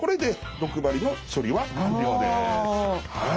はい。